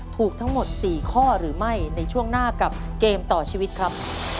ถูกทั้งหมด๔ข้อหรือไม่ในช่วงหน้ากับเกมต่อชีวิตครับ